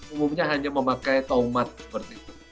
umumnya hanya memakai tomat seperti itu